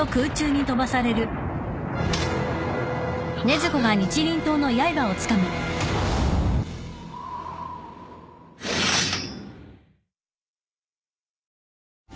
あっ！